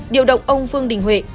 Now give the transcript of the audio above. điều động ông phương đình huệ